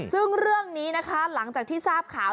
ซึ่งเรื่องนี้นะคะหลังจากที่ทราบข่าว